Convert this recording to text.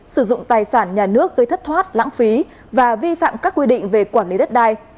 sử dụng tài sản nhà nước gây thất thoát lãng phí và vi phạm các quy định về quản lý đất đai